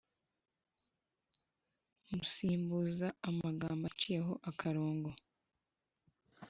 musimbuza amagambo aciyeho akarongo